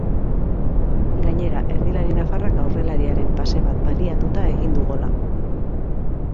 Gainera, erdilari nafarrak aurrelariaren pase bat baliatuta egin du gola.